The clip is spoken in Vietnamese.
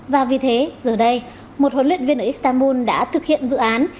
và vì thế giờ đây một huấn luyện viên ở istanbul đã thực hiện dự án